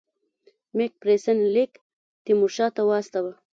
مک فیرسن لیک تیمورشاه ته واستاوه.